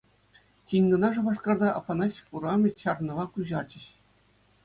Тин кӑна Шупашкарта «Афанасьев урамӗ» чарӑнӑва куҫарчӗҫ.